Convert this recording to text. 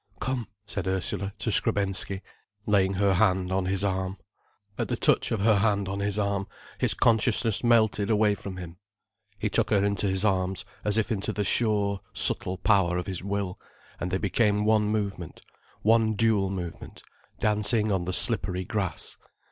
"Come," said Ursula to Skrebensky, laying her hand on his arm. At the touch of her hand on his arm, his consciousness melted away from him. He took her into his arms, as if into the sure, subtle power of his will, and they became one movement, one dual movement, dancing on the slippery grass.